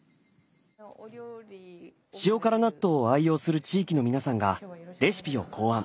塩辛納豆を愛用する地域の皆さんがレシピを考案。